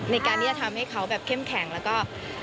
ในการที่จะทำให้เขาแบบเข้มแข็งแล้วก็